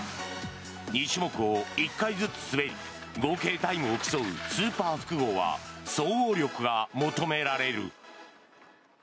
２種目を１回ずつ滑り合計タイムを競うスーパー複合は総合力が求められる。